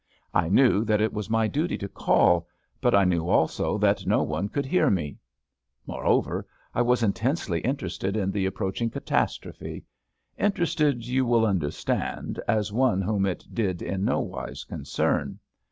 I knew that it was my duty to call, but I knew also that no one could hear me. More over, I was intensely interested in the approach ing catastrophe; interested, you will understand, as one whom it did in no wise concern.